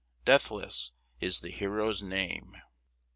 Deathless is the hero's name.